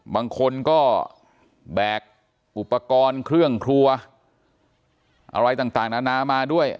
บางคนก็แบกอุปกรณ์เครื่องครัวอะไรต่างนานามาด้วย